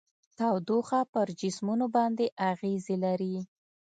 تودوخه پر جسمونو باندې اغیزې لري.